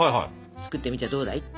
作ってみちゃどうだい？